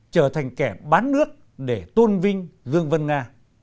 trở thành kẻ bán nước để tôn vinh dương vân nga